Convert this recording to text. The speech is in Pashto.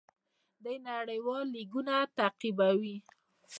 دوی نړیوال لیګونه تعقیبوي.